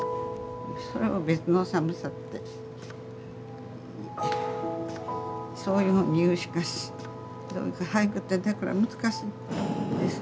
それは別の寒さってそういうふうに言うしか俳句ってだから難しいんです。